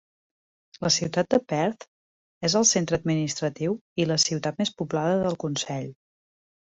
La ciutat de Perth és el centre administratiu i la ciutat més poblada del consell.